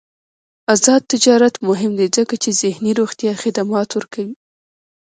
آزاد تجارت مهم دی ځکه چې ذهني روغتیا خدمات ورکوي.